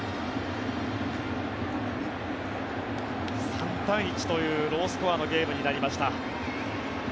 ３対１というロースコアのゲームになりました。